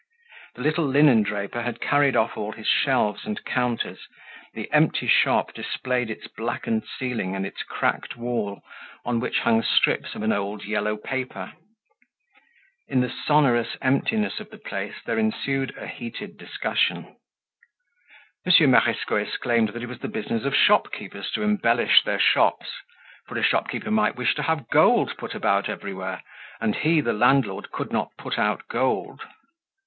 The little linen draper had carried off all his shelves and counters; the empty shop displayed its blackened ceiling and its cracked wall, on which hung strips of an old yellow paper. In the sonorous emptiness of the place, there ensued a heated discussion. Monsieur Marescot exclaimed that it was the business of shopkeepers to embellish their shops, for a shopkeeper might wish to have gold put about everywhere, and he, the landlord, could not put out gold.